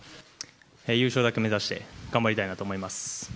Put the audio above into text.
優勝だけを目指して頑張りたいなと思います。